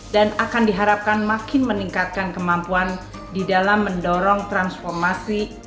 akan diharapkan makin meningkatkan kemampuan di dalam mendorong transformasi